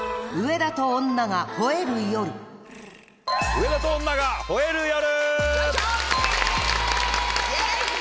『上田と女が吠える夜』！